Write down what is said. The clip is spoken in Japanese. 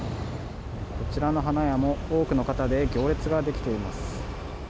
こちらの花屋も多くの方で行列が出来ています。